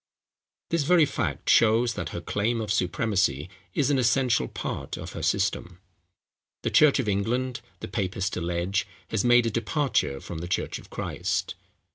This very fact shows, that her claim of supremacy is an essential part of her system. The church of England, the papists allege, has made a departure from the church of Christ.